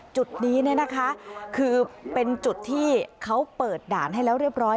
จุดนี้คือเป็นจุดที่เขาเปิดด่านให้แล้วเรียบร้อย